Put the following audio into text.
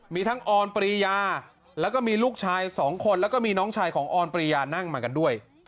มีทั้งออนปรียาแล้วก็มีลูกชาย๒คนแล้วก็มีน้องชายของออนปรียานั่งมากันด้วย